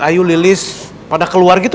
ayu lilis pada keluar gitu